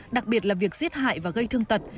đặc biệt là việc giết hại và gây thương tật